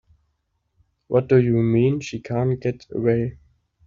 What do you mean she can't get away?